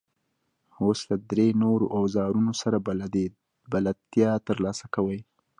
اوس له درې نورو اوزارونو سره بلدیتیا ترلاسه کوئ.